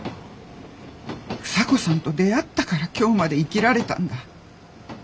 房子さんと出会ったから今日まで生きられたんだ。